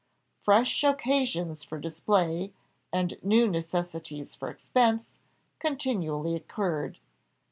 Fresh occasions for display, and new necessities for expense, continually occurred.